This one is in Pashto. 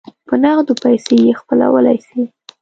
په نغدو پیسو یې خپلولای سی.